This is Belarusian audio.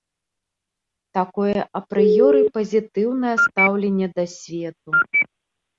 Такое апрыёры пазітыўнае стаўленне да свету.